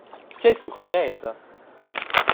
«Tgei surpresa!